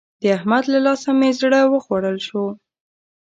د احمد له لاسه مې زړه وخوړل شو.